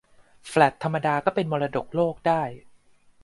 แฟลตธรรมดาก็เป็นมรดกโลกได้